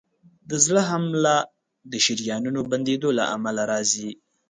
د زړه حمله د شریانونو بندېدو له امله راځي.